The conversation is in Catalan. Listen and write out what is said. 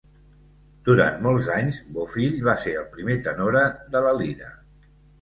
Durant molts anys, Bofill va ser el primer tenora de la Lira.